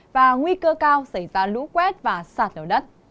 và nguy cơ cao xảy ra lũ quét và sạt lở đất